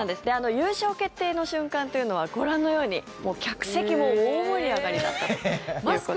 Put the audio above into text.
優勝決定の瞬間というのはご覧のように客席も大盛り上がりだったと。